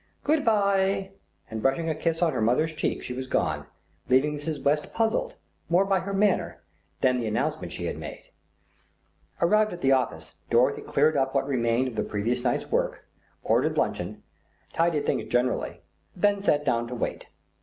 Good byeeeeee," and brushing a kiss on her mother's cheek she was gone, leaving Mrs. West puzzled, more by her manner than the announcement she had made. Arrived at the office Dorothy cleared up what remained of the previous night's work, ordered luncheon, tidied things generally, and then sat down to wait.